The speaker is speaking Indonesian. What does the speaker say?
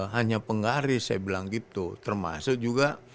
hanya penggaris saya bilang gitu termasuk juga